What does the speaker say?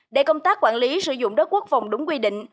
để công tác quản lý sử dụng đất quốc phòng đúng quy định